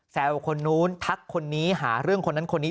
คนนู้นทักคนนี้หาเรื่องคนนั้นคนนี้